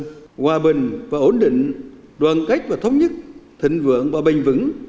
hòa bình và ổn định đoàn kết và thống nhất thịnh vượng và bình vững